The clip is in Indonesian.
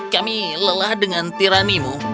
kami lelah dengan tiranimu